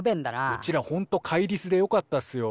うちらほんと飼いリスでよかったっすよ。